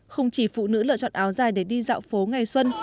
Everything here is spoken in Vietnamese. không chỉ phụ nữ lựa chọn áo dài để đi dạo phố ngày xuân